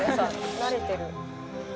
「慣れてる」